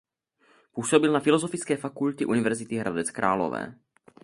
Působil na Filozofické fakultě Univerzity Hradec Králové.